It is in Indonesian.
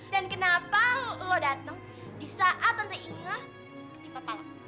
dan kenapa lo dateng di saat tante inge ketika